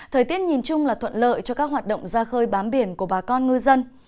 thời tiết nhìn chung là thuận lợi cho các hoạt động ra khơi bám biển của bà con ngư dân